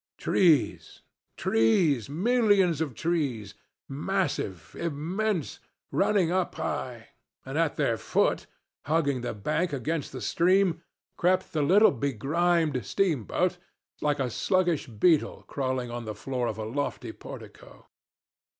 Trees, trees, millions of trees, massive, immense, running up high; and at their foot, hugging the bank against the stream, crept the little begrimed steamboat, like a sluggish beetle crawling on the floor of a lofty portico.